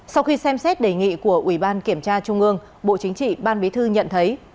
sau khi xem xét đề nghị của ubkt bộ chính trị ban bí thư nhận thấy